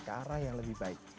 ke arah yang lebih baik